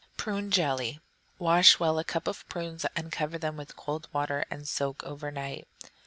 Prune Jelly Wash well a cup of prunes, and cover them with cold water and soak overnight.